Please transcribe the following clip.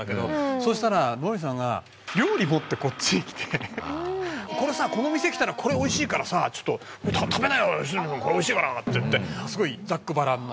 そしたらノリさんが料理持ってこっちへ来てこれさこの店来たらこれおいしいからさちょっと食べなよ良純くんこれおいしいからって言ってすごいざっくばらんな。